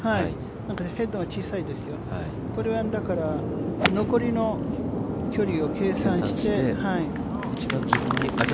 ヘッドが小さいですよね、だからこれは残りの距離を計算して。